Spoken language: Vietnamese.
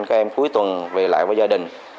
các em cuối tuần về lại với gia đình